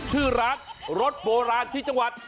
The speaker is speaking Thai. ชื่อร้านรสโบราณที่จังหวัด